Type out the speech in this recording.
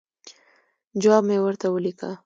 جواب مې ورته ولیکه.